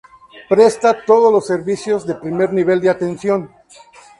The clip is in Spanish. Presta todos los servicios de primer nivel de atención.